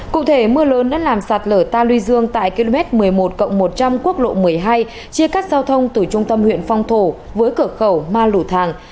cụ thể mưa lớn đã làm sạt lở ta luy dương tại km một mươi một một trăm linh quốc lộ một mươi hai chia cắt giao thông từ trung tâm huyện phong thổ với cửa khẩu ma lù thàng